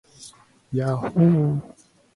He became the chief scientist at Yahoo!